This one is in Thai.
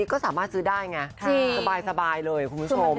ก็สามารถซื้อได้ไงสบายเลยคุณผู้ชม